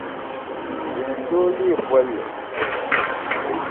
Di ni tooi leei bolli.